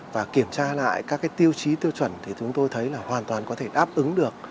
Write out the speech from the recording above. và kiểm tra lại các cái tiêu chí tiêu chuẩn thì chúng tôi thấy là hoàn toàn có thể đáp ứng được